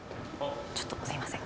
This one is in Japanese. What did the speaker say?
ちょっとすいません